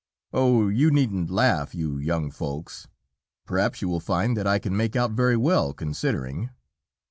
Oh, you needn't laugh, you young Folks, perhaps you will find that I can make out very well, considering.